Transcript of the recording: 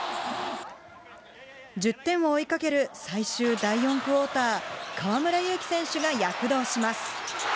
１０点を追いかける最終第４クオーター、河村ゆうき選手が躍動します。